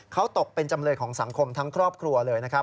เขาตกเป็นจำเลยของสังคมทั้งครอบครัวเลยนะครับ